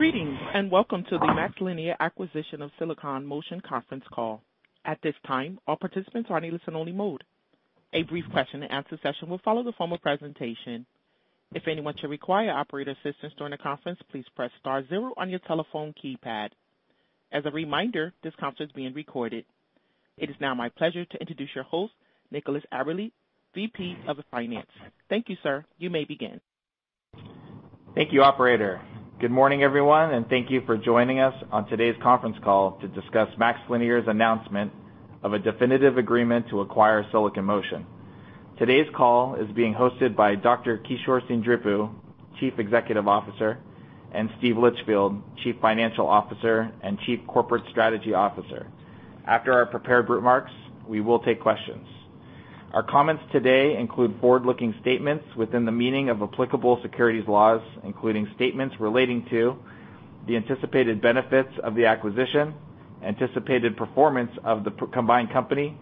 Greetings, and welcome to the MaxLinear acquisition of Silicon Motion conference call. At this time, all participants are in listen-only mode. A brief question-and-answer session will follow the formal presentation. If anyone should require operator assistance during the conference, please press star zero on your telephone keypad. As a reminder, this conference is being recorded. It is now my pleasure to introduce your host, Nicholas Aberle, VP of Finance. Thank you, sir. You may begin. Thank you, operator. Good morning, everyone, and thank you for joining us on today's conference call to discuss MaxLinear's announcement of a definitive agreement to acquire Silicon Motion. Today's call is being hosted by Dr. Kishore Seendripu, Chief Executive Officer, and Steve Litchfield, Chief Financial Officer and Chief Corporate Strategy Officer. After our prepared remarks, we will take questions. Our comments today include forward-looking statements within the meaning of applicable securities laws, including statements relating to the anticipated benefits of the acquisition, anticipated performance of the combined company,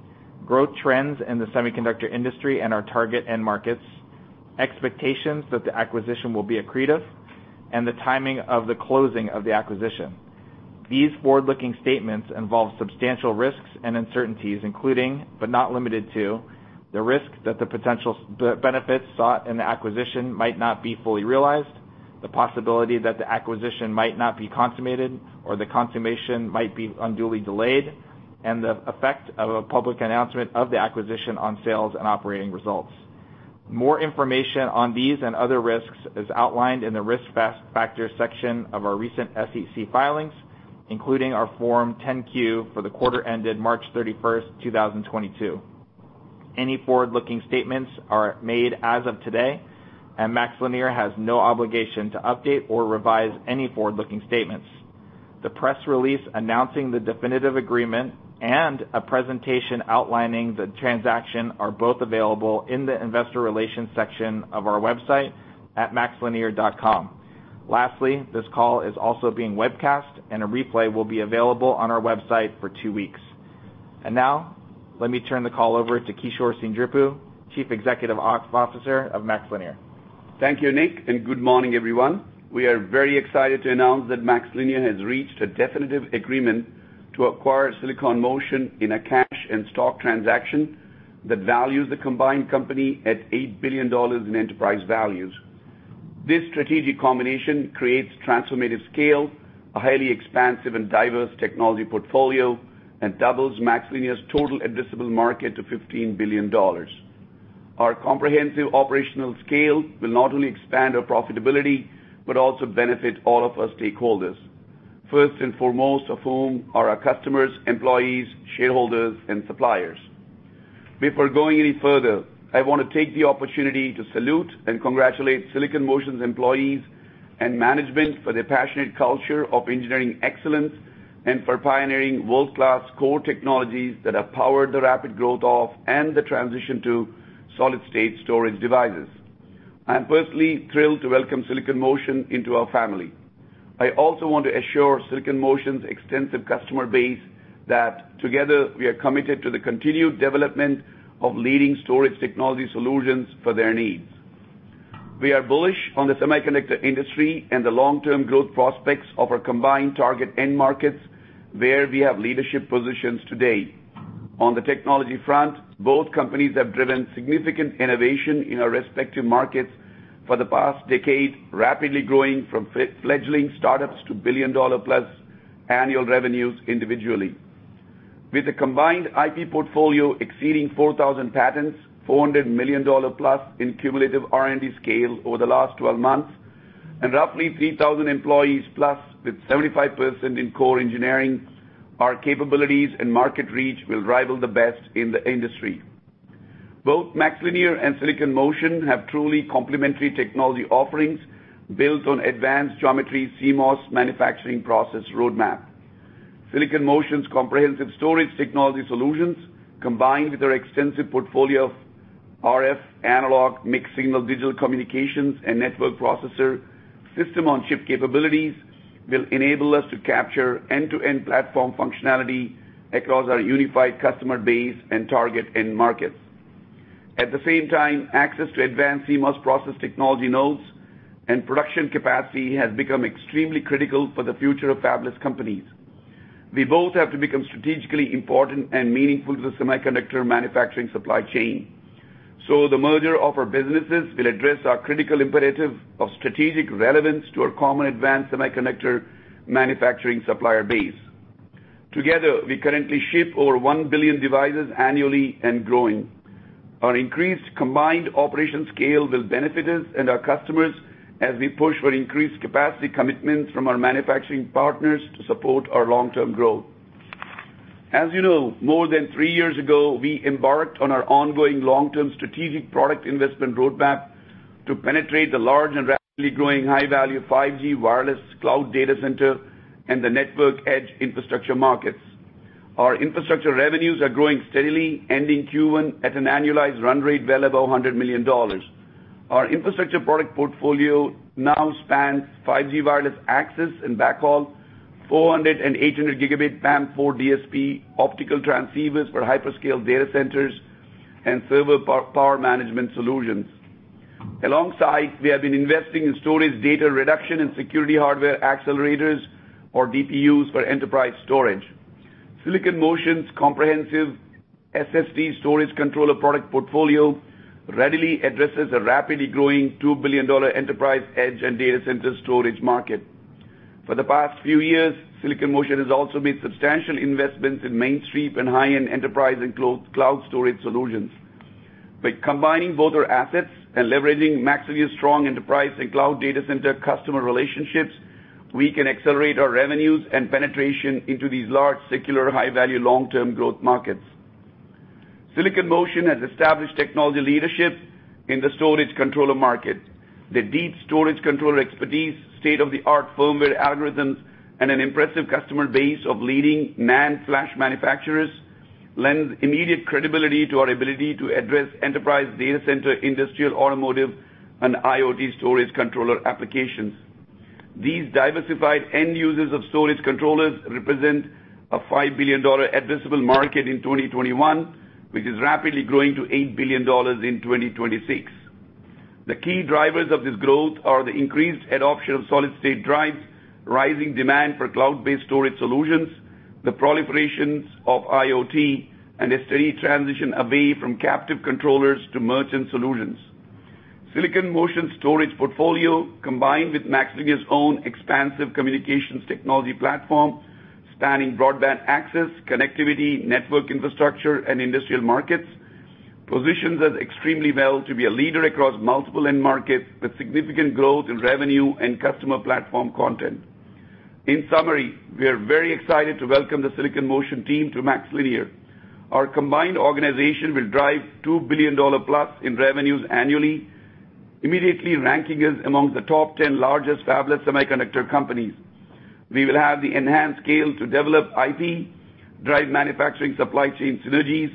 growth trends in the semiconductor industry and our target end markets, expectations that the acquisition will be accretive, and the timing of the closing of the acquisition. These forward-looking statements involve substantial risks and uncertainties, including, but not limited to, the risk that the potential benefits sought in the acquisition might not be fully realized, the possibility that the acquisition might not be consummated or the consummation might be unduly delayed, and the effect of a public announcement of the acquisition on sales and operating results. More information on these and other risks is outlined in the Risk Factors section of our recent SEC filings, including our Form 10-Q for the quarter ended March 31st, 2022. Any forward-looking statements are made as of today, and MaxLinear has no obligation to update or revise any forward-looking statements. The press release announcing the definitive agreement and a presentation outlining the transaction are both available in the investor relations section of our website at maxlinear.com. Lastly, this call is also being webcast, and a replay will be available on our website for two weeks. Now, let me turn the call over to Kishore Seendripu, Chief Executive Officer of MaxLinear. Thank you, Nick, and good morning, everyone. We are very excited to announce that MaxLinear has reached a definitive agreement to acquire Silicon Motion in a cash and stock transaction that values the combined company at $8 billion in enterprise values. This strategic combination creates transformative scale, a highly expansive and diverse technology portfolio, and doubles MaxLinear's total addressable market to $15 billion. Our comprehensive operational scale will not only expand our profitability, but also benefit all of our stakeholders, first and foremost of whom are our customers, employees, shareholders, and suppliers. Before going any further, I wanna take the opportunity to salute and congratulate Silicon Motion's employees and management for their passionate culture of engineering excellence and for pioneering world-class core technologies that have powered the rapid growth of and the transition to solid-state storage devices. I am personally thrilled to welcome Silicon Motion into our family. I also want to assure Silicon Motion's extensive customer base that together we are committed to the continued development of leading storage technology solutions for their needs. We are bullish on the semiconductor industry and the long-term growth prospects of our combined target end markets, where we have leadership positions today. On the technology front, both companies have driven significant innovation in our respective markets for the past decade, rapidly growing from fledgling startups to billion-dollar-plus annual revenues individually. With a combined IP portfolio exceeding 4,000 patents, $400 million plus in cumulative R&D scale over the last 12 months, and roughly 3,000 employees plus, with 75% in core engineering, our capabilities and market reach will rival the best in the industry. Both MaxLinear and Silicon Motion have truly complementary technology offerings built on advanced geometry CMOS manufacturing process roadmap. Silicon Motion's comprehensive storage technology solutions, combined with our extensive portfolio of RF, analog, mixed-signal digital communications, and network processor system-on-chip capabilities, will enable us to capture end-to-end platform functionality across our unified customer base and target end markets. At the same time, access to advanced CMOS process technology nodes and production capacity has become extremely critical for the future of fabless companies. We both have to become strategically important and meaningful to the semiconductor manufacturing supply chain, so the merger of our businesses will address our critical imperative of strategic relevance to our common advanced semiconductor manufacturing supplier base. Together, we currently ship over 1 billion devices annually and growing. Our increased combined operation scale will benefit us and our customers as we push for increased capacity commitments from our manufacturing partners to support our long-term growth. As you know, more than three years ago, we embarked on our ongoing long-term strategic product investment roadmap to penetrate the large and rapidly growing high-value 5G wireless cloud data center and the network edge infrastructure markets. Our infrastructure revenues are growing steadily, ending Q1 at an annualized run rate well above $100 million. Our infrastructure product portfolio now spans 5G wireless access and backhaul, 400- and 800-Gb PAM4 DSP optical transceivers for hyperscale data centers and server power management solutions. Alongside, we have been investing in storage data reduction and security hardware accelerators or DPUs for enterprise storage. Silicon Motion's comprehensive SSD storage controller product portfolio readily addresses a rapidly growing $2 billion enterprise edge and data center storage market. For the past few years, Silicon Motion has also made substantial investments in mainstream and high-end enterprise and cloud storage solutions. By combining both our assets and leveraging MaxLinear's strong enterprise and cloud data center customer relationships, we can accelerate our revenues and penetration into these large, secular, high-value long-term growth markets. Silicon Motion has established technology leadership in the storage controller market. The deep storage controller expertise, state-of-the-art firmware algorithms, and an impressive customer base of leading NAND flash manufacturers lends immediate credibility to our ability to address enterprise data center, industrial, automotive, and IoT storage controller applications. These diversified end users of storage controllers represent a $5 billion addressable market in 2021, which is rapidly growing to $8 billion in 2026. The key drivers of this growth are the increased adoption of solid-state drives, rising demand for cloud-based storage solutions, the proliferation of IoT, and a steady transition away from captive controllers to merchant solutions. Silicon Motion's storage portfolio, combined with MaxLinear's own expansive communications technology platform, spanning broadband access, connectivity, network infrastructure, and industrial markets, positions us extremely well to be a leader across multiple end markets with significant growth in revenue and customer platform content. In summary, we are very excited to welcome the Silicon Motion team to MaxLinear. Our combined organization will drive $2 billion+ in revenues annually, immediately ranking us among the top 10 largest fabless semiconductor companies. We will have the enhanced scale to develop IP, drive manufacturing supply chain synergies,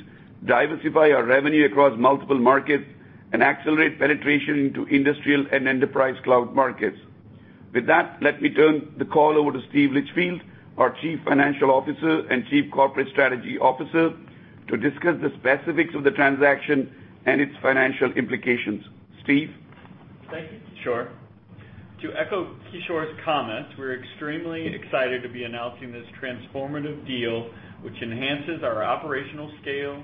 diversify our revenue across multiple markets, and accelerate penetration into industrial and enterprise cloud markets. With that, let me turn the call over to Steve Litchfield, our Chief Financial Officer and Chief Corporate Strategy Officer, to discuss the specifics of the transaction and its financial implications. Steve? Thank you, Kishore. To echo Kishore's comments, we're extremely excited to be announcing this transformative deal, which enhances our operational scale,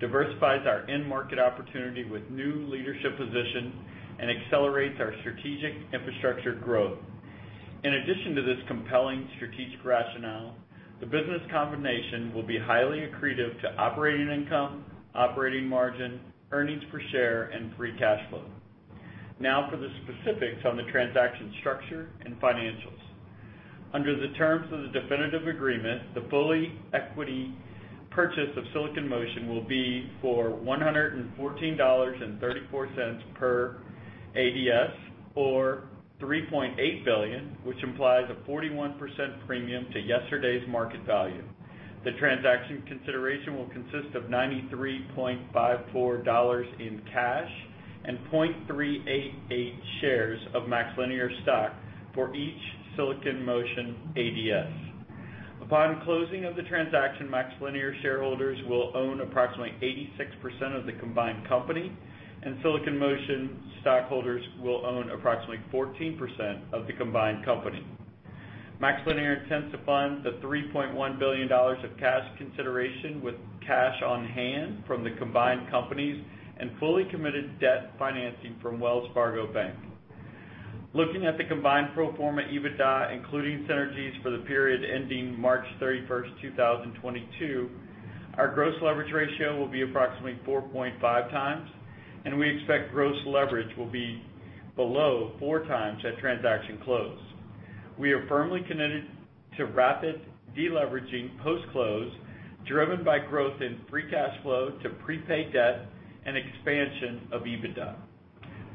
diversifies our end market opportunity with new leadership position, and accelerates our strategic infrastructure growth. In addition to this compelling strategic rationale, the business combination will be highly accretive to operating income, operating margin, earnings per share, and free cash flow. Now for the specifics on the transaction structure and financials. Under the terms of the definitive agreement, the fully equity purchase of Silicon Motion will be for $114.34 per ADS, or $3.8 billion, which implies a 41% premium to yesterday's market value. The transaction consideration will consist of $93.54 in cash and 0.388 shares of MaxLinear stock for each Silicon Motion ADS. Upon closing of the transaction, MaxLinear shareholders will own approximately 86% of the combined company, and Silicon Motion stockholders will own approximately 14% of the combined company. MaxLinear intends to fund the $3.1 billion of cash consideration with cash on hand from the combined companies and fully committed debt financing from Wells Fargo Bank. Looking at the combined pro forma EBITDA, including synergies for the period ending March 31st, 2022, our gross leverage ratio will be approximately 4.5x, and we expect gross leverage will be below 4x at transaction close. We are firmly committed to rapid deleveraging post-close, driven by growth in free cash flow to prepay debt and expansion of EBITDA.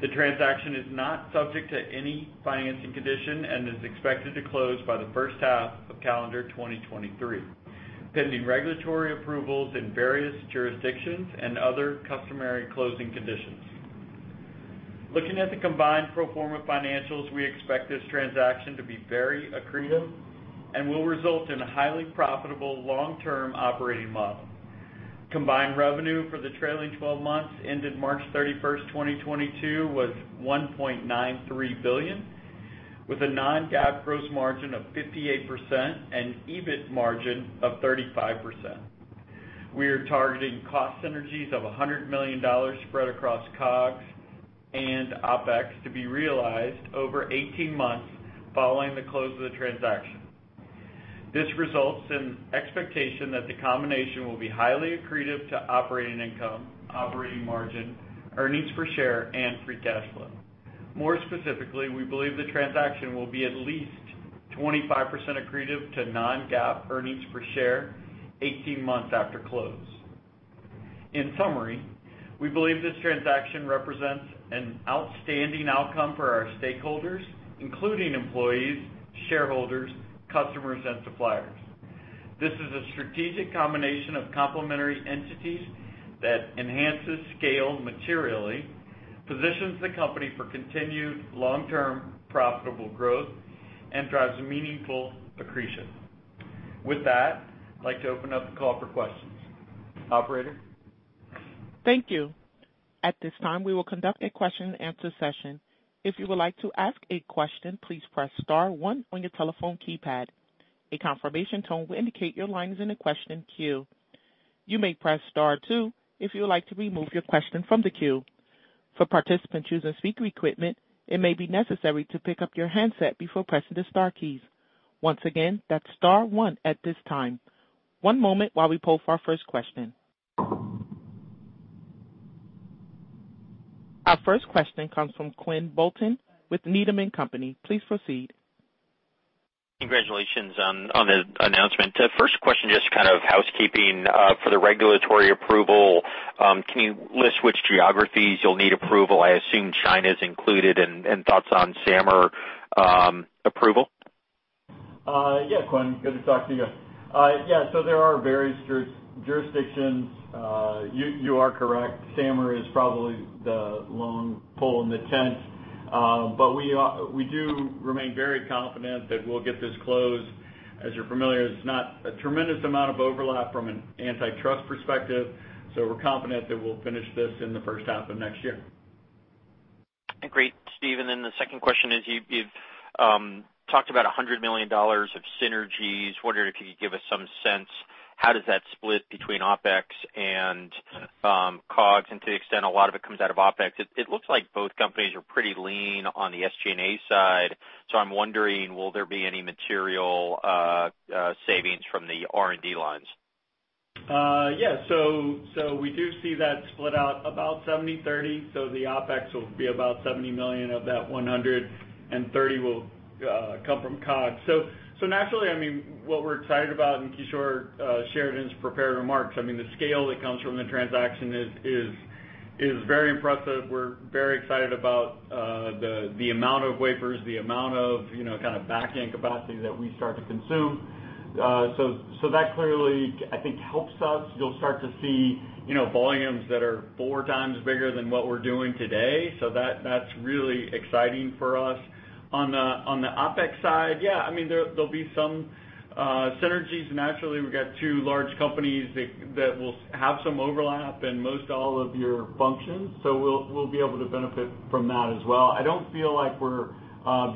The transaction is not subject to any financing condition and is expected to close by the first half of calendar 2023, pending regulatory approvals in various jurisdictions and other customary closing conditions. Looking at the combined pro forma financials, we expect this transaction to be very accretive and will result in a highly profitable long-term operating model. Combined revenue for the trailing twelve months ended March 31st, 2022 was $1.93 billion, with a non-GAAP gross margin of 58% and EBIT margin of 35%. We are targeting cost synergies of $100 million spread across COGS and OpEx to be realized over 18 months following the close of the transaction. This results in expectation that the combination will be highly accretive to operating income, operating margin, earnings per share, and free cash flow. More specifically, we believe the transaction will be at least 25% accretive to non-GAAP earnings per share 18 months after close. In summary, we believe this transaction represents an outstanding outcome for our stakeholders, including employees, shareholders, customers, and suppliers. This is a strategic combination of complementary entities that enhances scale materially, positions the company for continued long-term profitable growth, and drives meaningful accretion. With that, I'd like to open up the call for questions. Operator? Thank you. At this time, we will conduct a question and answer session. If you would like to ask a question, please press star one on your telephone keypad. A confirmation tone will indicate your line is in the question queue. You may press star two if you would like to remove your question from the queue. For participants using speaker equipment, it may be necessary to pick up your handset before pressing the star keys. Once again, that's star one at this time. One moment while we poll for our first question. Our first question comes from Quinn Bolton with Needham & Company. Please proceed. Congratulations on the announcement. First question, just kind of housekeeping. For the regulatory approval, can you list which geographies you'll need approval? I assume China is included. Thoughts on SAMR approval. Yeah, Quinn. Good to talk to you. Yeah, so there are various jurisdictions. You are correct. SAMR is probably the lone pole in the tent. But we do remain very confident that we'll get this closed. As you're familiar, there's not a tremendous amount of overlap from an antitrust perspective. We're confident that we'll finish this in the first half of next year. Great, Steve. The second question is, you've talked about $100 million of synergies. Wondering if you could give us some sense, how does that split between OpEx and COGS? To the extent a lot of it comes out of OpEx, it looks like both companies are pretty lean on the SG&A side. I'm wondering, will there be any material savings from the R&D lines? Yeah. We do see that split out about 70/30. The OpEx will be about $70 million of that 100, and $30 million will come from COGS. Naturally, I mean, what we're excited about, and Kishore shared it in his prepared remarks, I mean, the scale that comes from the transaction is very impressive. We're very excited about the amount of wafers, the amount of, you know, kind of backend capacity that we start to consume. That clearly, I think, helps us. You'll start to see, you know, volumes that are four times bigger than what we're doing today. That's really exciting for us. On the OpEx side, yeah, I mean, there'll be some synergies. Naturally, we've got two large companies that will have some overlap in most all of your functions, so we'll be able to benefit from that as well. I don't feel like we're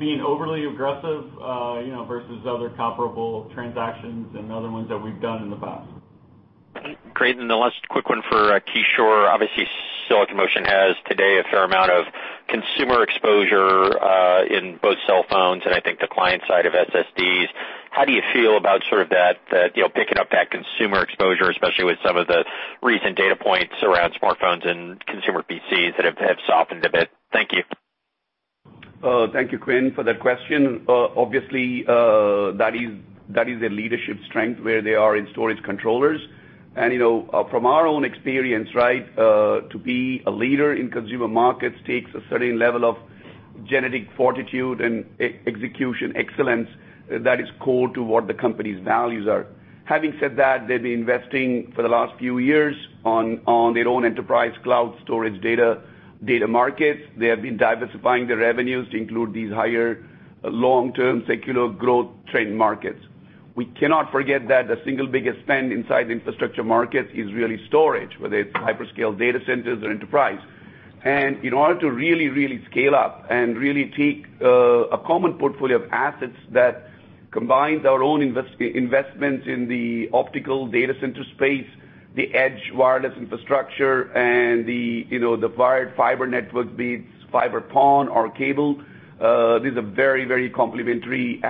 being overly aggressive, you know, versus other comparable transactions and other ones that we've done in the past. Great. Then the last quick one for Kishore. Obviously, Silicon Motion has today a fair amount of consumer exposure, in both cell phones and I think the client side of SSDs. How do you feel about sort of that, you know, picking up that consumer exposure, especially with some of the recent data points around smartphones and consumer PCs that have softened a bit? Thank you. Thank you, Quinn, for that question. Obviously, that is a leadership strength where they are in storage controllers. You know, from our own experience, right, to be a leader in consumer markets takes a certain level of genetic fortitude and execution excellence that is core to what the company's values are. Having said that, they've been investing for the last few years on their own enterprise cloud storage data markets. They have been diversifying their revenues to include these higher long-term secular growth trend markets. We cannot forget that the single biggest spend inside the infrastructure markets is really storage, whether it's hyperscale data centers or enterprise. In order to really scale up and really take a common portfolio of assets that combines our own investments in the optical data center space, the edge wireless infrastructure and the, you know, the wired fiber network, be it fiber PON or cable, this is a very complementary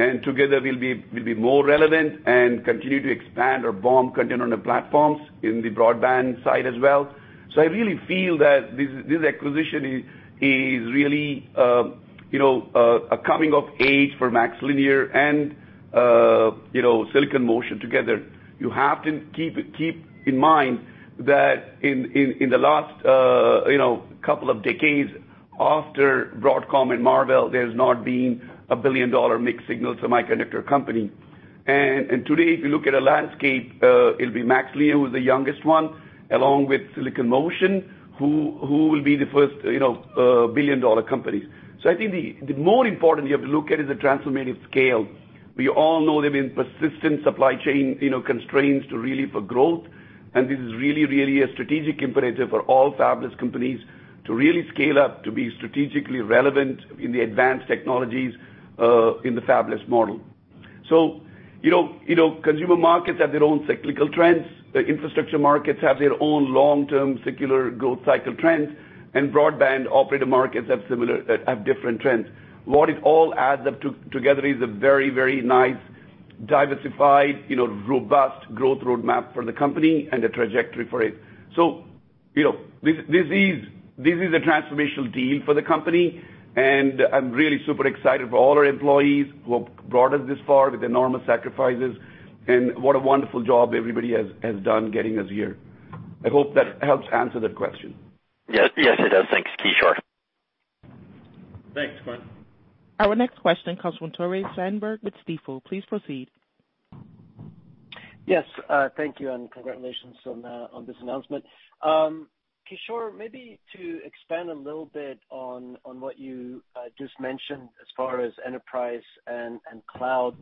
asset. Together we'll be more relevant and continue to expand our BOM content on the platforms in the broadband side as well. I really feel that this acquisition is really, you know, a coming of age for MaxLinear and, you know, Silicon Motion together. You have to keep in mind that in the last, you know, couple of decades after Broadcom and Marvell, there's not been a billion-dollar mixed-signal semiconductor company. Today, if you look at a landscape, it'll be MaxLinear, who's the youngest one, along with Silicon Motion, who will be the first, you know, billion-dollar companies. I think the more important you have to look at is the transformative scale. We all know there've been persistent supply chain, you know, constraints to really fuel growth. This is really a strategic imperative for all fabless companies to really scale up to be strategically relevant in the advanced technologies in the fabless model. You know, consumer markets have their own cyclical trends. The infrastructure markets have their own long-term secular growth cycle trends, and broadband operator markets have different trends. What it all adds up to together is a very nice diversified, you know, robust growth roadmap for the company and a trajectory for it. You know, this is a transformational deal for the company, and I'm really super excited for all our employees who have brought us this far with enormous sacrifices, and what a wonderful job everybody has done getting us here. I hope that helps answer the question. Yes. Yes, it does. Thanks, Kishore. Thanks, Quinn. Our next question comes from Tore Svanberg with Stifel. Please proceed. Yes, thank you, and congratulations on this announcement. Kishore, maybe to expand a little bit on what you just mentioned as far as enterprise and cloud.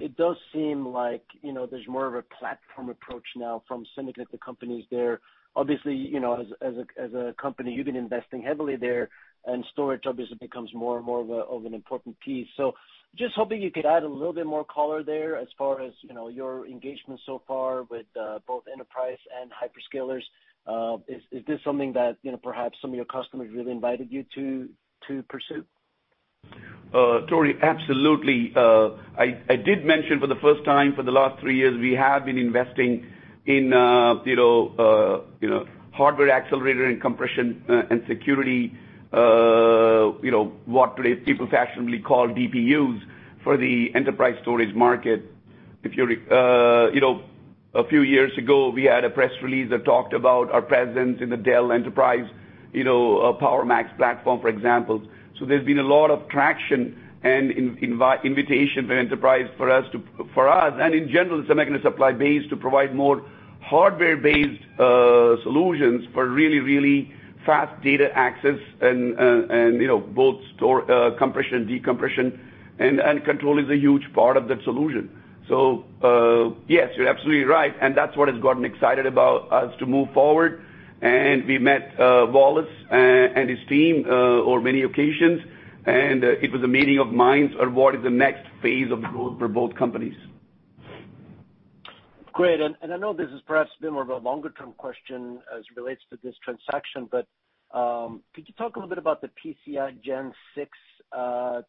It does seem like, you know, there's more of a platform approach now from some of the companies there. Obviously, you know, as a company, you've been investing heavily there, and storage obviously becomes more and more of an important piece. Just hoping you could add a little bit more color there as far as, you know, your engagement so far with both enterprise and hyperscalers. Is this something that, you know, perhaps some of your customers really invited you to pursue? Tory, absolutely. I did mention for the first time for the last three years, we have been investing in, you know, hardware accelerator and compression, and security, you know, what today people fashionably call DPUs for the enterprise storage market. If you know, a few years ago, we had a press release that talked about our presence in the Dell enterprise, you know, PowerMax platform, for example. There's been a lot of traction and invitation for enterprise for us, and in general, it's a mechanism supply base to provide more hardware-based solutions for really, really fast data access and, you know, both storage compression and decompression, and control is a huge part of that solution. Yes, you're absolutely right, and that's what has gotten excited about us to move forward. We met Wallace and his team on many occasions, and it was a meeting of minds on what is the next phase of growth for both companies. Great. I know this has perhaps been more of a longer term question as it relates to this transaction, but could you talk a little bit about the PCIe Gen 6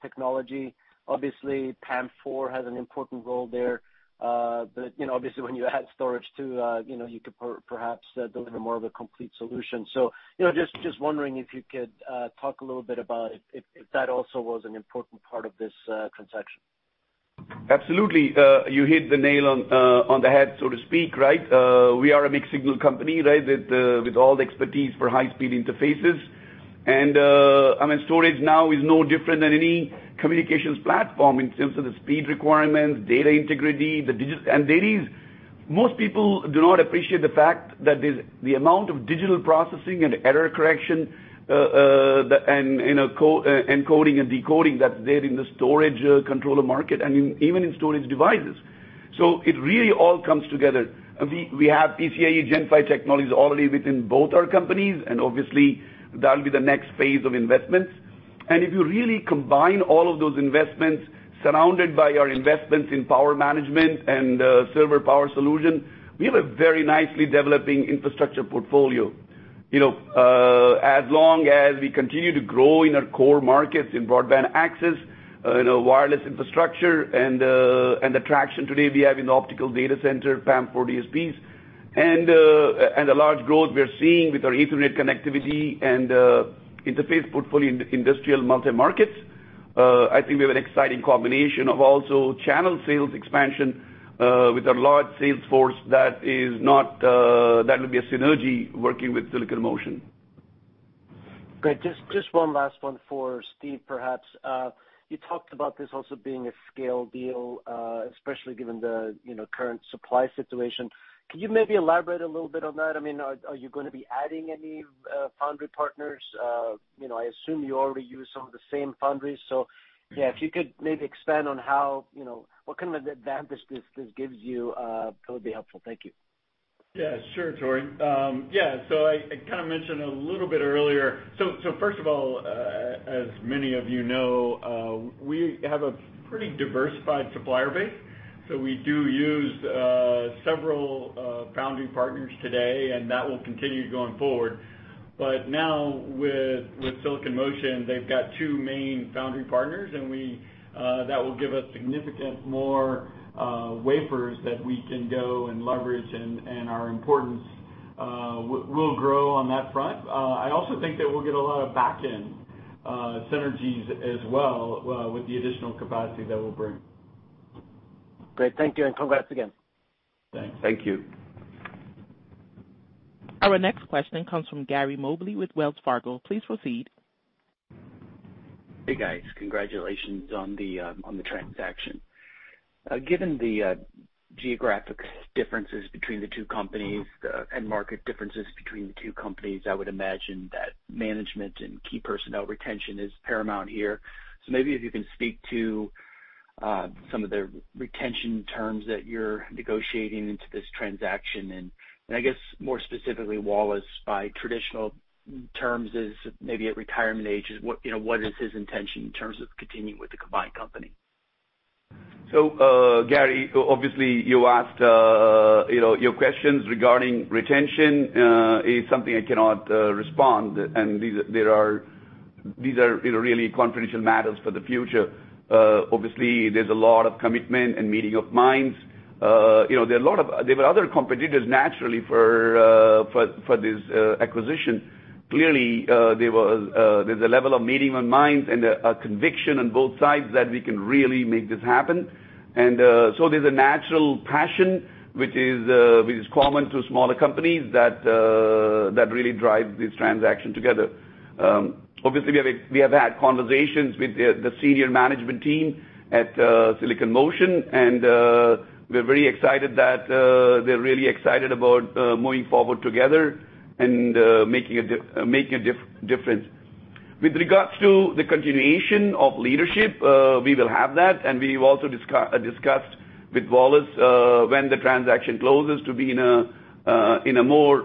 technology? Obviously PAM4 has an important role there, but you know, obviously when you add storage too, you know, you could perhaps deliver more of a complete solution. You know, just wondering if you could talk a little bit about if that also was an important part of this transaction. Absolutely. You hit the nail on the head, so to speak, right? We are a mixed signal company, right, with all the expertise for high-speed interfaces. I mean, storage now is no different than any communications platform in terms of the speed requirements, data integrity. Most people do not appreciate the fact that there's the amount of digital processing and error correction, and, you know, encoding and decoding that's there in the storage controller market and even in storage devices. It really all comes together. We have PCIe Gen 5 technologies already within both our companies, and obviously that'll be the next phase of investments. If you really combine all of those investments surrounded by our investments in power management and server power solution, we have a very nicely developing infrastructure portfolio. You know, as long as we continue to grow in our core markets in broadband access, in a wireless infrastructure and the traction today we have in the optical data center, PAM4 DSPs, and the large growth we are seeing with our Ethernet connectivity and interface portfolio in the industrial multi-markets, I think we have an exciting combination of also channel sales expansion with our large sales force that will be a synergy working with Silicon Motion. Great. Just one last one for Steve, perhaps. You talked about this also being a scale deal, especially given the, you know, current supply situation. Can you maybe elaborate a little bit on that? I mean, are you gonna be adding any foundry partners? You know, I assume you already use some of the same foundries. Yeah, if you could maybe expand on how, you know, what kind of advantage this gives you, that would be helpful. Thank you. Yeah, sure, Tory. I kinda mentioned a little bit earlier. First of all, as many of you know, we have a pretty diversified supplier base. We do use several foundry partners today, and that will continue going forward. Now with Silicon Motion, they've got two main foundry partners, and that will give us significant more wafers that we can go and leverage and our importance will grow on that front. I also think that we'll get a lot of back-end synergies as well with the additional capacity that we'll bring. Great. Thank you, and congrats again. Thanks. Thank you. Our next question comes from Gary Mobley with Wells Fargo. Please proceed. Hey, guys. Congratulations on the transaction. Given the geographic differences between the two companies and market differences between the two companies, I would imagine that management and key personnel retention is paramount here. Maybe if you can speak to some of the retention terms that you're negotiating into this transaction. I guess more specifically, Wallace, by traditional terms, is maybe a retirement age. What is his intention in terms of continuing with the combined company? Obviously, Gary, you asked, you know, your questions regarding retention is something I cannot respond, and these are, you know, really confidential matters for the future. Obviously, there's a lot of commitment and meeting of minds. You know, there were other competitors naturally for this acquisition. Clearly, there was, there's a level of meeting of minds and a conviction on both sides that we can really make this happen. There's a natural passion which is common to smaller companies that really drive this transaction together. Obviously we have had conversations with the senior management team at Silicon Motion, and we're very excited that they're really excited about moving forward together and making a difference. With regards to the continuation of leadership, we will have that, and we've also discussed with Wallace when the transaction closes to be in a more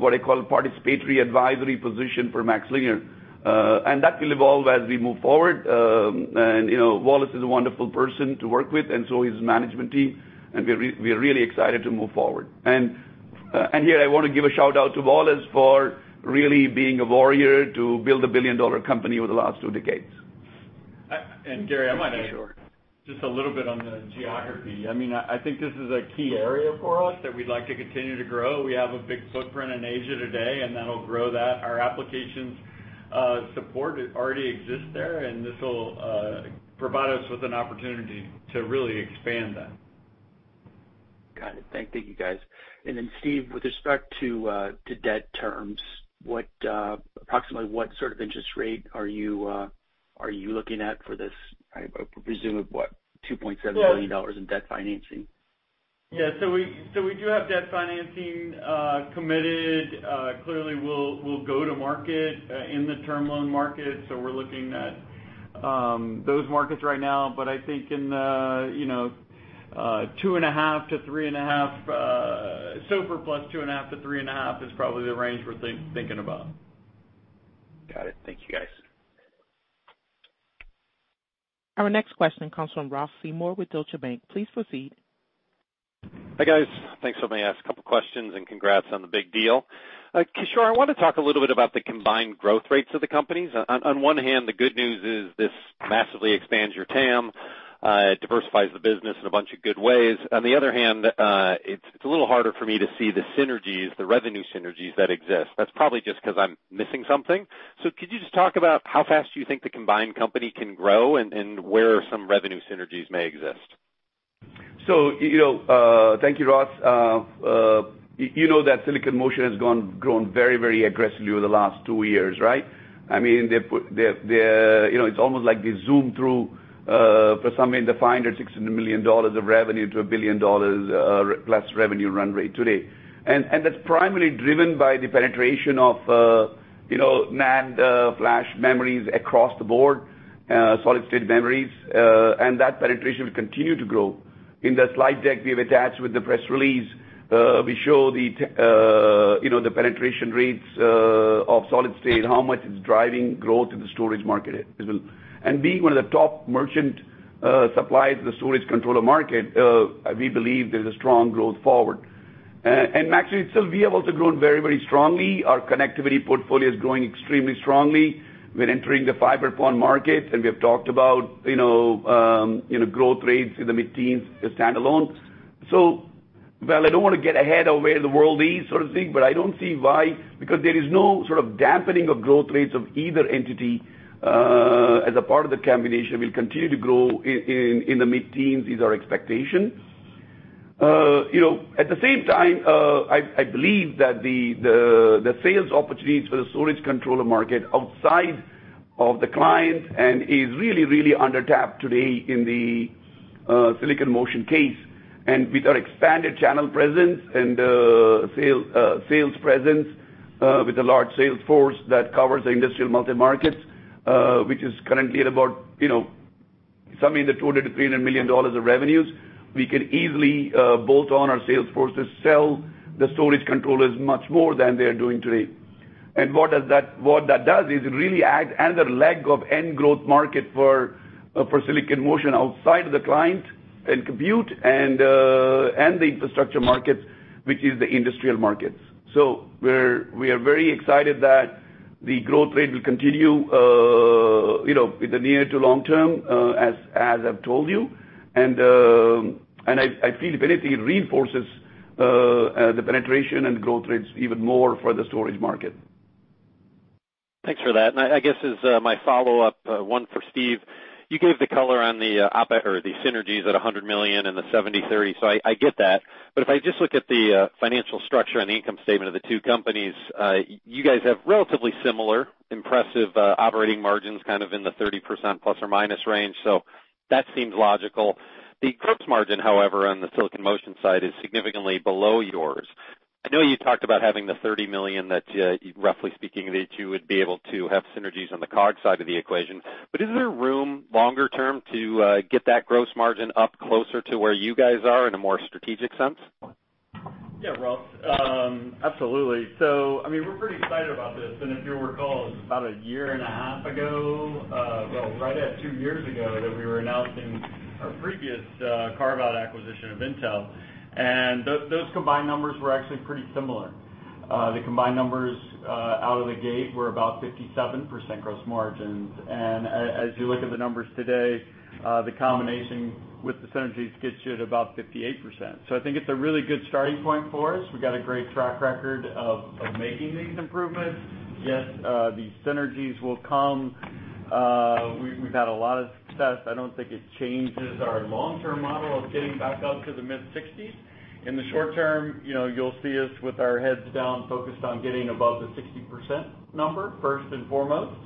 what I call participatory advisory position for MaxLinear. That will evolve as we move forward. You know, Wallace is a wonderful person to work with, and so is his management team, and we're really excited to move forward. I wanna give a shout-out to Wallace for really being a warrior to build a billion-dollar company over the last two decades. Gary, I might add just a little bit on the geography. I mean, I think this is a key area for us that we'd like to continue to grow. We have a big footprint in Asia today, and that'll grow that. Our applications support already exists there, and this will provide us with an opportunity to really expand that. Got it. Thank you guys. Steve, with respect to debt terms, approximately what sort of interest rate are you looking at for this? I presume it's $2.7 billion in debt financing. Yeah. We do have debt financing committed. Clearly we'll go to market in the term loan market, so we're looking at those markets right now. I think, you know, 2.5%-3.5%, so four plus 2.5%-3.5% is probably the range we're thinking about. Got it. Thank you, guys. Our next question comes from Ross Seymore with Deutsche Bank. Please proceed. Hi, guys. Thanks for letting me ask a couple questions, and congrats on the big deal. Kishore, I wanna talk a little bit about the combined growth rates of the companies. On one hand, the good news is this massively expands your TAM, diversifies the business in a bunch of good ways. On the other hand, it's a little harder for me to see the synergies, the revenue synergies that exist. That's probably just 'cause I'm missing something. Could you just talk about how fast you think the combined company can grow and where some revenue synergies may exist? You know, thank you, Ross. You know that Silicon Motion has grown very, very aggressively over the last two years, right? I mean, they're, you know, it's almost like they zoomed through for something in the $500 million-$600 million of revenue to $1 billion+ revenue run rate today. That's primarily driven by the penetration of, you know, NAND flash memories across the board, solid state memories, and that penetration will continue to grow. In the slide deck we have attached with the press release, we show the, you know, the penetration rates of solid state, how much it's driving growth in the storage market as well. Being one of the top merchant suppliers in the storage controller market, we believe there's a strong growth forward. Actually, MaxLinear, we have also grown very, very strongly. Our connectivity portfolio is growing extremely strongly. We're entering the fiber PON market, and we have talked about, you know, you know, growth rates in the mid-teens as standalone. While I don't wanna get ahead of where the world is sort of thing, but I don't see why, because there is no sort of dampening of growth rates of either entity, as a part of the combination. We'll continue to grow in the mid-teens is our expectation. You know, at the same time, I believe that the sales opportunities for the storage controller market outside of the client and is really, really under-tapped today in the Silicon Motion case. With our expanded channel presence and sales presence with a large sales force that covers the industrial multi-markets, which is currently at about, you know, somewhere in the $200 million-$300 million of revenues, we can easily bolt on our sales force to sell the storage controllers much more than they're doing today. What that does is it really adds another leg of end growth market for Silicon Motion outside of the client and compute and the infrastructure markets, which is the industrial markets. We are very excited that the growth rate will continue, you know, in the near to long term, as I've told you. I feel if anything reinforces the penetration and growth rates even more for the storage market. Thanks for that. I guess as my follow-up one for Steve. You gave the color on the OpEx or the synergies at $100 million and the 70/30, so I get that. If I just look at the financial structure and the income statement of the two companies, you guys have relatively similar impressive operating margins kind of in the 30%± range, so that seems logical. The gross margin, however, on the Silicon Motion side is significantly below yours. I know you talked about having the $30 million that roughly speaking you would be able to have synergies on the COGS side of the equation. Is there room longer term to get that gross margin up closer to where you guys are in a more strategic sense? Yeah, Ross. Absolutely. I mean, we're pretty excited about this. If you'll recall, about a year and a half ago, right at two years ago, that we were announcing our previous carve-out acquisition of Intel, and those combined numbers were actually pretty similar. The combined numbers out of the gate were about 57% gross margins. As you look at the numbers today, the combination with the synergies gets you at about 58%. I think it's a really good starting point for us. We've got a great track record of making these improvements. Yes, the synergies will come. We've had a lot of success. I don't think it changes our long-term model of getting back up to the mid-60s%. In the short term, you know, you'll see us with our heads down, focused on getting above the 60% number, first and foremost.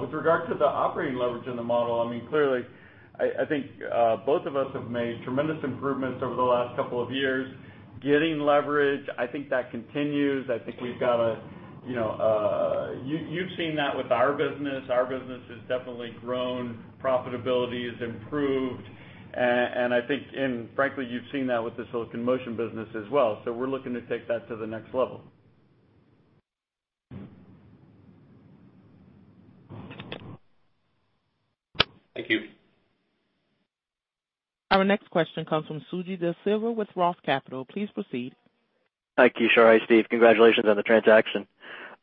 With regard to the operating leverage in the model, I mean, clearly, I think both of us have made tremendous improvements over the last couple of years getting leverage. I think that continues. I think we've got a, you know, you've seen that with our business. Our business has definitely grown. Profitability has improved. I think, frankly, you've seen that with the Silicon Motion business as well. We're looking to take that to the next level. Thank you. Our next question comes from Suji Desilva with Roth Capital. Please proceed. Hi, Kishore. Hi, Steve. Congratulations on the transaction.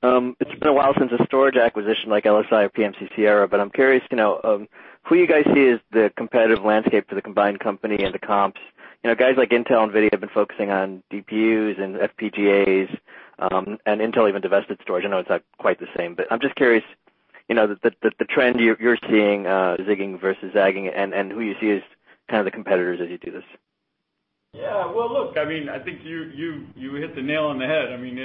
It's been a while since a storage acquisition like LSI or PMC-Sierra, but I'm curious, you know, who you guys see as the competitive landscape for the combined company and the comps. You know, guys like Intel and Nvidia have been focusing on DPUs and FPGAs, and Intel even divested storage. I know it's not quite the same, but I'm just curious, you know, the trend you're seeing, zigging versus zagging and who you see as kind of the competitors as you do this. Yeah. Well, look, I mean, I think you hit the nail on the head. I mean,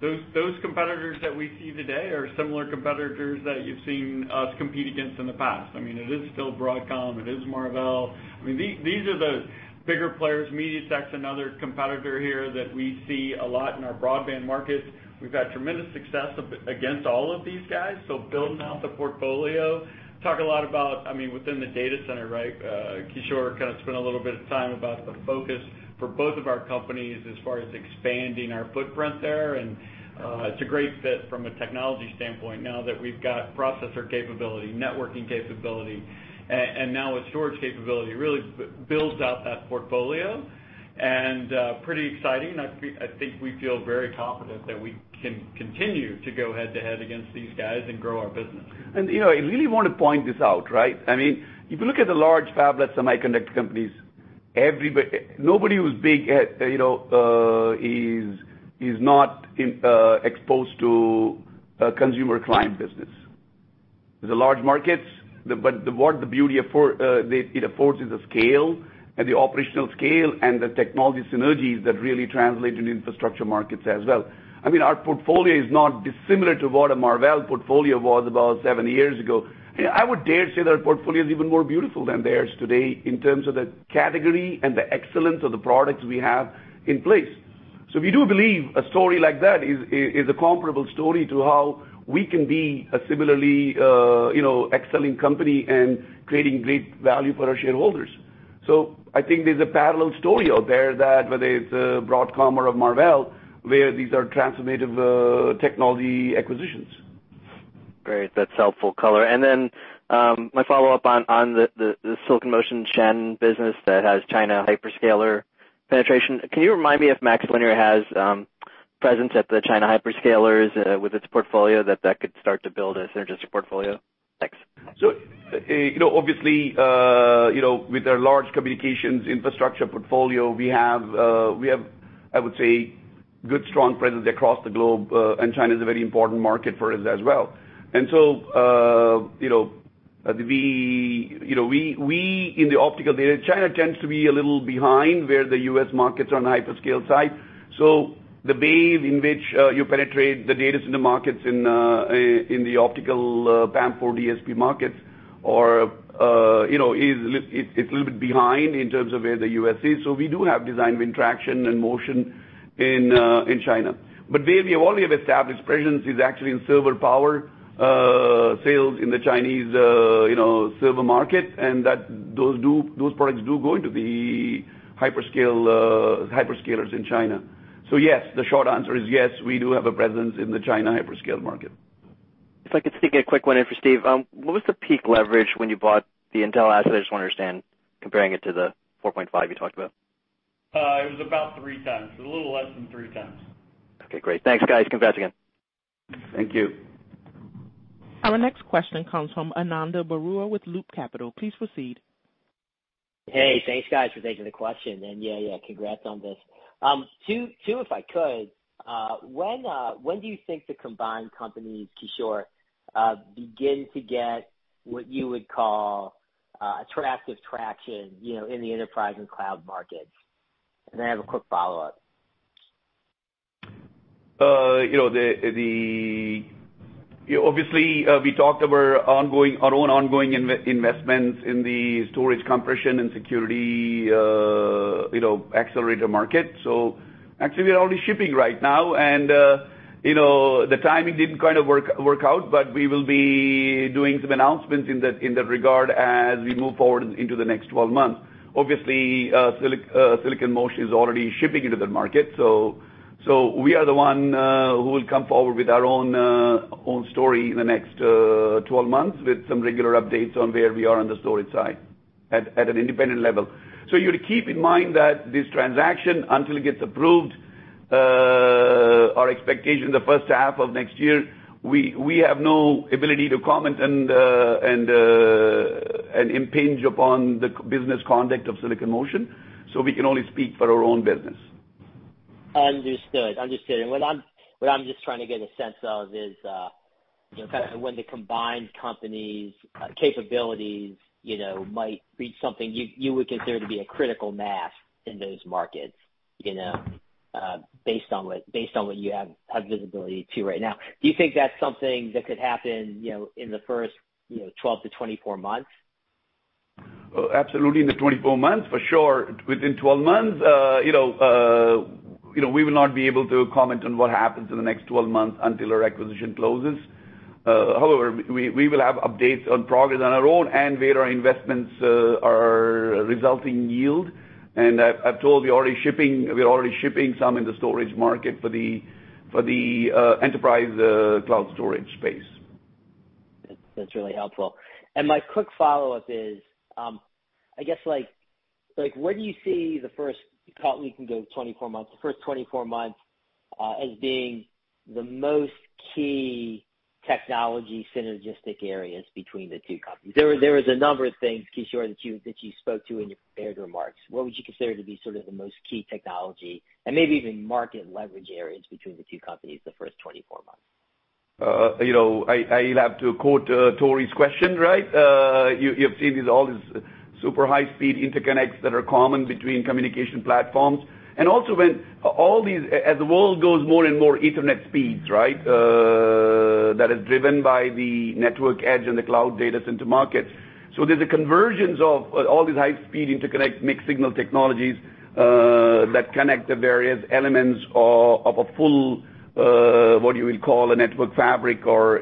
those competitors that we see today are similar competitors that you've seen us compete against in the past. I mean, it is still Broadcom. It is Marvell. I mean, these are the bigger players. MediaTek, another competitor here that we see a lot in our broadband markets. We've had tremendous success against all of these guys, so building out the portfolio. Talk a lot about, I mean, within the data center, right, Kishore kind of spent a little bit of time about the focus for both of our companies as far as expanding our footprint there. It's a great fit from a technology standpoint now that we've got processor capability, networking capability, and now with storage capability, really builds out that portfolio. Pretty exciting. I think we feel very confident that we can continue to go head-to-head against these guys and grow our business. you know, I really wanna point this out, right? I mean, if you look at the large fabless semiconductor companies, everybody, nobody who's big, you know, is not exposed to a consumer client business. The large markets, but what the beauty it affords is the scale and the operational scale and the technology synergies that really translate into infrastructure markets as well. I mean, our portfolio is not dissimilar to what a Marvell portfolio was about seven years ago. I would dare say their portfolio is even more beautiful than theirs today in terms of the category and the excellence of the products we have in place. we do believe a story like that is a comparable story to how we can be a similarly, you know, excelling company and creating great value for our shareholders. I think there's a parallel story out there that whether it's Broadcom or a Marvell, where these are transformative technology acquisitions. Great. That's helpful color. My follow-up on the Silicon Motion NAND business that has China hyperscaler penetration. Can you remind me if MaxLinear has presence at the China hyperscalers with its portfolio that could start to build a synergistic portfolio? Thanks. You know, obviously, with our large communications infrastructure portfolio, we have, I would say, good strong presence across the globe, and China is a very important market for us as well. We in the optical data, China tends to be a little behind where the U.S. markets are on hyperscale side. The way in which you penetrate the data center markets in the optical PAM4 DSP markets is a little bit behind in terms of where the U.S. is. We do have design win traction and momentum in China. Where we already have established presence is actually in server power sales in the Chinese, you know, server market, and those products do go into the hyperscale hyperscalers in China. Yes, the short answer is yes, we do have a presence in the China hyperscale market. If I could sneak a quick one in for Steve. What was the peak leverage when you bought the Intel asset? I just wanna understand comparing it to the 4.5 you talked about. It was about three times. A little less than three times. Okay, great. Thanks, guys. Congrats again. Thank you. Our next question comes from Ananda Baruah with Loop Capital. Please proceed. Hey, thanks guys for taking the question. Yeah, congrats on this. Two if I could. When do you think the combined companies, Kishore, begin to get what you would call attractive traction, you know, in the enterprise and cloud markets? I have a quick follow-up. You know, obviously, we talked about our own ongoing investments in the storage compression and security, you know, accelerator market. Actually we are already shipping right now and, you know, the timing didn't kind of work out, but we will be doing some announcements in that regard as we move forward into the next 12 months. Obviously, Silicon Motion is already shipping into that market, so we are the one who will come forward with our own story in the next 12 months with some regular updates on where we are on the storage side at an independent level. You gotta keep in mind that this transaction, until it gets approved, our expectation the first half of next year, we have no ability to comment and impinge upon the business conduct of Silicon Motion, so we can only speak for our own business. Understood. What I'm just trying to get a sense of is, you know, kind of when the combined companies' capabilities, you know, might be something you would consider to be a critical mass in those markets, you know, based on what you have visibility to right now. Do you think that's something that could happen, you know, in the first 12-24 months? Absolutely in the 24 months, for sure. Within 12 months, we will not be able to comment on what happens in the next 12 months until our acquisition closes. However, we will have updates on progress on our own and where our investments are resulting yield. I've told you we're already shipping some in the storage market for the enterprise cloud storage space. That's really helpful. My quick follow-up is, I guess like when do you see the first 24 months as being the most key technology synergistic areas between the two companies? There was a number of things, Kishore, that you spoke to in your prepared remarks. What would you consider to be sort of the most key technology and maybe even market leverage areas between the two companies the first 24 months? You know, I'll have to quote Tore's question, right? You've seen these super high speed interconnects that are common between communication platforms. As the world goes more and more internet speeds, right? That is driven by the network edge and the cloud data center markets. There's a convergence of all these high speed interconnect mixed signal technologies that connect the various elements of a full what you will call a network fabric or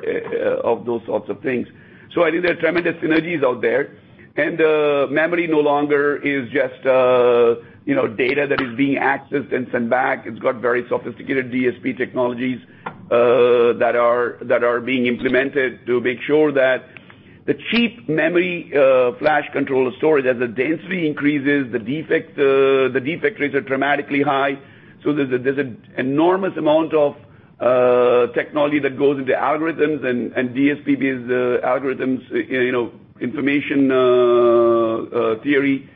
of those sorts of things. I think there are tremendous synergies out there. Memory no longer is just, you know, data that is being accessed and sent back. It's got very sophisticated DSP technologies that are being implemented to make sure that the cheap memory flash controller storage, as the density increases, the defect rates are dramatically high. There's an enormous amount of technology that goes into algorithms and DSP-based algorithms, you know, information theory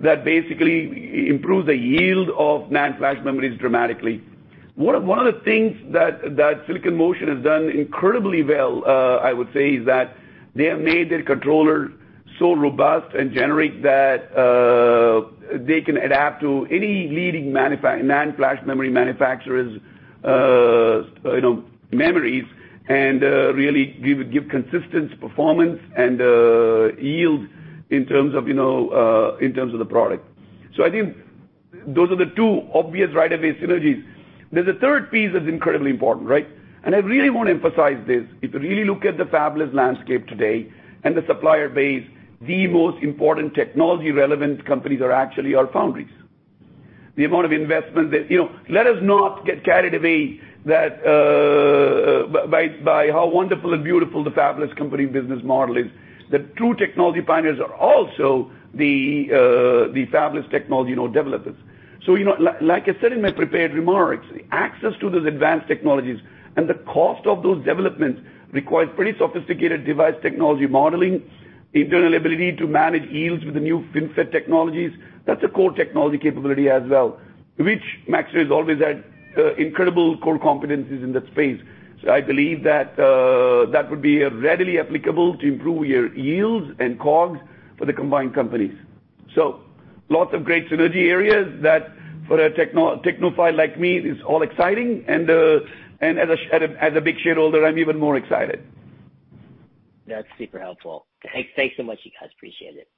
that basically improves the yield of NAND flash memories dramatically. One of the things that Silicon Motion has done incredibly well, I would say, is that they have made their controller so robust and generate that they can adapt to any leading NAND flash memory manufacturers, you know, memories and really give consistent performance and yield in terms of, you know, in terms of the product. I think those are the two obvious right away synergies. There's a third piece that's incredibly important, right? I really wanna emphasize this. If you really look at the fabless landscape today and the supplier base, the most important technology relevant companies are actually our foundries. The amount of investment that Let us not get carried away that by how wonderful and beautiful the fabless company business model is. The true technology pioneers are also the fab technology developers. Like I said in my prepared remarks, access to those advanced technologies and the cost of those developments requires pretty sophisticated device technology modeling, internal ability to manage yields with the new FinFET technologies. That's a core technology capability as well, which MaxLinear has always had incredible core competencies in that space. I believe that would be readily applicable to improve your yields and COGS for the combined companies. Lots of great synergy areas that for a technophile like me, it's all exciting and as a big shareholder, I'm even more excited. That's super helpful. Thanks so much, you guys. Appreciate it.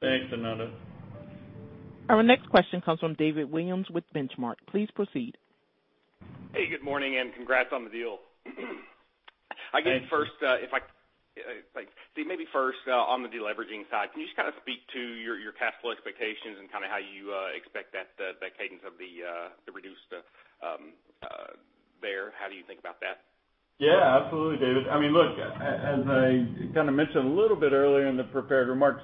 Thanks, Ananda. Our next question comes from David Williams with Benchmark. Please proceed. Hey, good morning and congrats on the deal. Thanks. I guess first, maybe on the deleveraging side, can you just kind of speak to your cash flow expectations and kinda how you expect that, the cadence of the reduced there? How do you think about that? Yeah, absolutely, David. I mean, look, as I kinda mentioned a little bit earlier in the prepared remarks,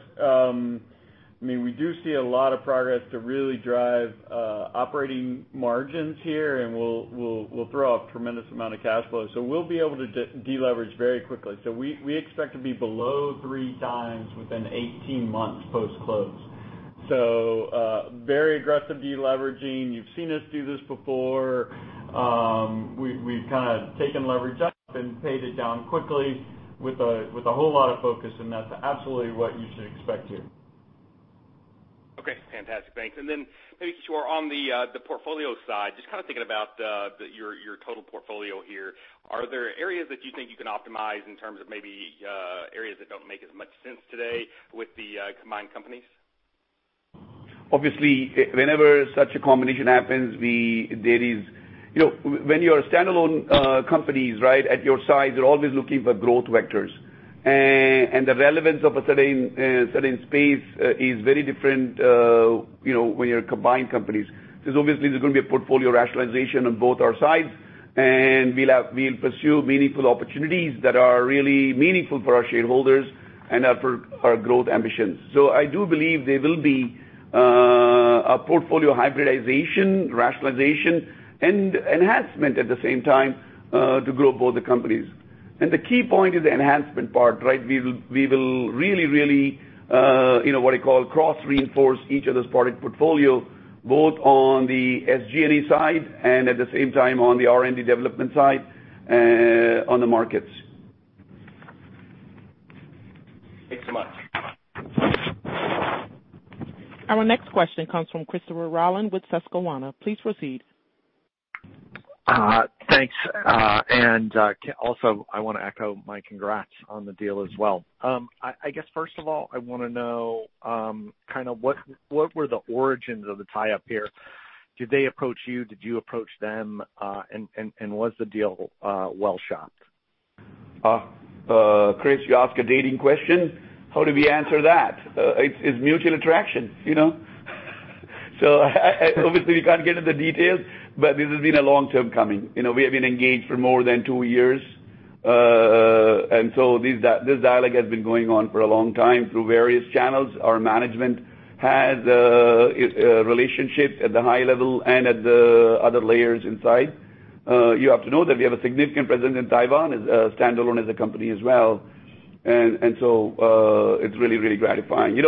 I mean, we do see a lot of progress to really drive operating margins here, and we'll throw off tremendous amount of cash flow. We'll be able to deleverage very quickly. We expect to be below three times within 18 months post-close. Very aggressive deleveraging. You've seen us do this before. We've kinda taken leverage up and paid it down quickly with a whole lot of focus, and that's absolutely what you should expect here. Okay, fantastic. Thanks. Maybe, Kishore, on the portfolio side, just kinda thinking about your total portfolio here. Are there areas that you think you can optimize in terms of maybe, areas that don't make as much sense today with the combined companies? Obviously, whenever such a combination happens, you know, when you're standalone companies, right? At your size, you're always looking for growth vectors. The relevance of a certain space is very different, you know, when you're combined companies. Obviously there's gonna be a portfolio rationalization on both our sides, and we'll pursue meaningful opportunities that are really meaningful for our shareholders and for our growth ambitions. I do believe there will be a portfolio hybridization, rationalization and enhancement at the same time to grow both the companies. The key point is the enhancement part, right? We will really, you know, what I call cross-reinforce each of those product portfolio, both on the SG&A side and at the same time on the R&D development side on the markets. Thanks so much. Our next question comes from Christopher Rolland with Susquehanna. Please proceed. Thanks. Also I wanna echo my congrats on the deal as well. I guess, first of all, I wanna know kinda what were the origins of the tie-up here? Did they approach you? Did you approach them? Was the deal well-shopped? Chris, you ask a dating question. How do we answer that? It's mutual attraction, you know? Obviously we can't get into the details, but this has been a long time coming. You know, we have been engaged for more than two years. This dialogue has been going on for a long time through various channels. Our management has relationships at the high level and at the other layers inside. You have to know that we have a significant presence in Taiwan as a standalone as a company as well. It's really gratifying. You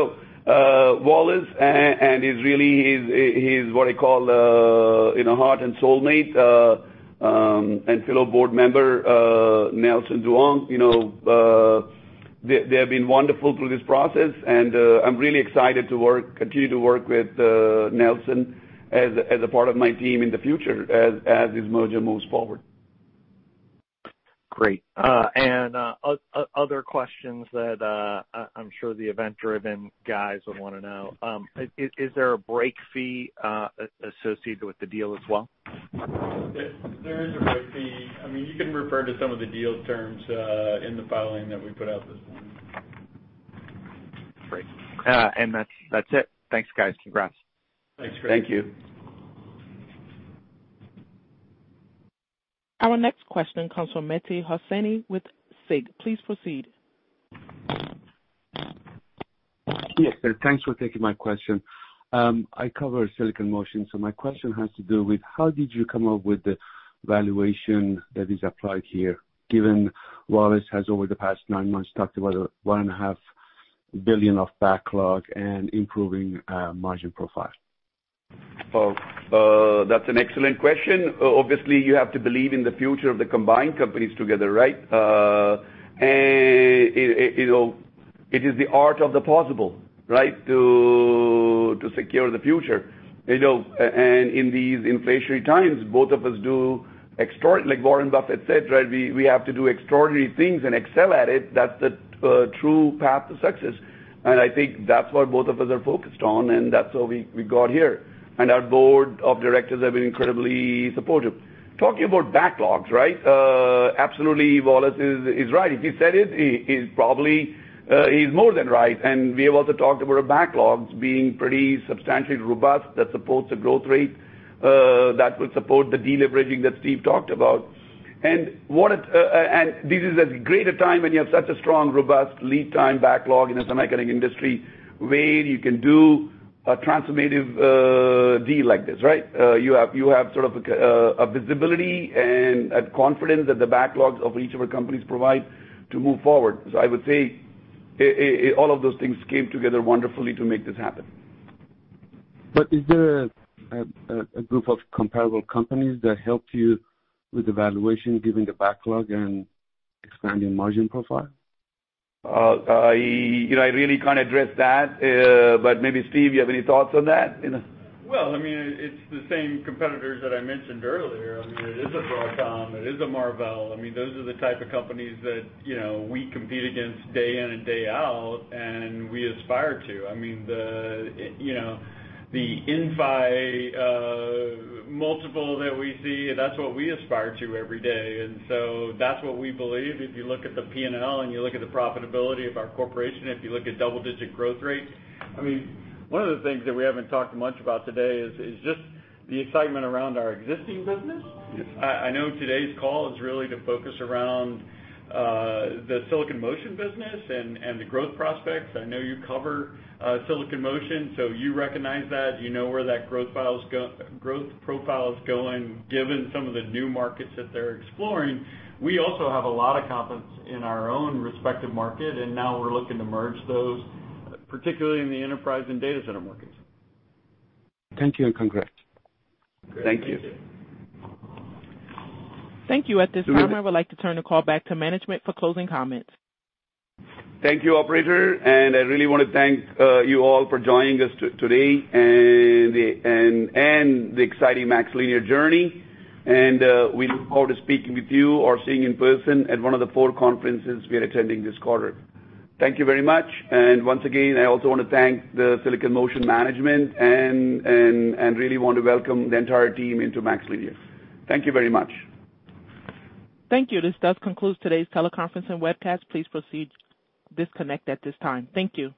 know, Wallace, and he's really what I call heart and soul mate and fellow board member Nelson Dunn. You know, they have been wonderful through this process, and I'm really excited to continue to work with Nelson as a part of my team in the future as this merger moves forward. Great. Other questions that I'm sure the event-driven guys would wanna know. Is there a break fee associated with the deal as well? There is a breakup fee. I mean, you can refer to some of the deal terms, in the filing that we put out this morning. Great. That's it. Thanks, guys. Congrats. Thanks, Chris. Thank you. Our next question comes from Mehdi Hosseini with SIG. Please proceed. Yes. Thanks for taking my question. I cover Silicon Motion, so my question has to do with how did you come up with the valuation that is applied here, given Wallace has over the past nine months talked about $1.5 billion of backlog and improving margin profile? Well, that's an excellent question. Obviously, you have to believe in the future of the combined companies together, right? You know, it is the art of the possible, right? To secure the future, you know. In these inflationary times, like Warren Buffett said, right, we have to do extraordinary things and excel at it. That's the true path to success. I think that's what both of us are focused on, and that's what we got here. Our board of directors have been incredibly supportive. Talking about backlogs, right? Absolutely Wallace is right. If he said it, he's probably more than right. We have also talked about our backlogs being pretty substantially robust that supports the growth rate that will support the deleveraging that Steve talked about. This is as great a time when you have such a strong, robust lead time backlog in the semiconductor industry where you can do a transformative deal like this, right? You have sort of a visibility and a confidence that the backlogs of each of our companies provide to move forward. I would say all of those things came together wonderfully to make this happen. Is there a group of comparable companies that helped you with the valuation given the backlog and expanding margin profile? I really can't address that. Maybe Steve, you have any thoughts on that? You know. Well, I mean, it's the same competitors that I mentioned earlier. I mean, it is a Broadcom, it is a Marvell. I mean, those are the type of companies that, you know, we compete against day in and day out, and we aspire to. I mean, you know, the Inphi multiple that we see, that's what we aspire to every day. That's what we believe. If you look at the P&L and you look at the profitability of our corporation, if you look at double-digit growth rates. I mean, one of the things that we haven't talked much about today is just the excitement around our existing business. I know today's call is really to focus around the Silicon Motion business and the growth prospects. I know you cover Silicon Motion, so you recognize that. You know where that growth profile is going, given some of the new markets that they're exploring. We also have a lot of confidence in our own respective market, and now we're looking to merge those, particularly in the enterprise and data center markets. Thank you, and congrats. Thank you. Thank you. Thank you. At this time, I would like to turn the call back to management for closing comments. Thank you, operator. I really wanna thank you all for joining us today and the exciting MaxLinear journey. We look forward to speaking with you or seeing you in person at one of the four conferences we are attending this quarter. Thank you very much. Once again, I also wanna thank the Silicon Motion management and really want to welcome the entire team into MaxLinear. Thank you very much. Thank you. This does conclude today's teleconference and webcast. Please proceed to disconnect at this time. Thank you.